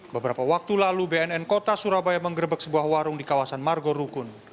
beberapa waktu lalu bnn kota surabaya menggerbek sebuah warung di kawasan margo rukun